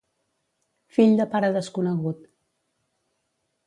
Fill de pare desconegut.